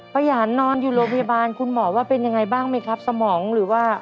ยานนอนอยู่โรงพยาบาลคุณหมอว่าเป็นยังไงบ้างไหมครับสมองหรือว่า